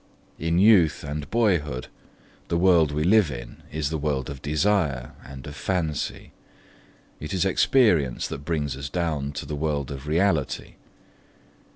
In youth and boyhood, the world we live in is the world of desire, and of fancy: it is experience that brings us down to the world of reality.